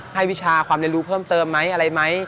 วิชาความเรียนรู้เพิ่มเติมไหมอะไรไหม